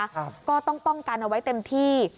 ก็ต้องป้องกันเอาไว้เต็มที่